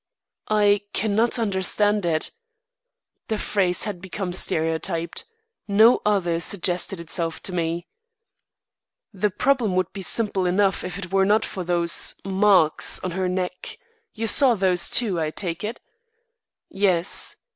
"I cannot understand it." The phrase had become stereotyped. No other suggested itself to me. "The problem would be simple enough if it were not for those marks on her neck. You saw those, too, I take it?" "Yes.